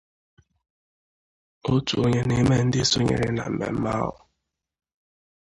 Otu onye n'ime ndị sonyere na mmemme ahụ